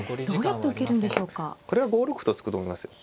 これは５六歩と突くと思いますよ。